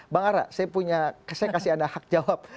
bang ara saya kasih anda hak jawab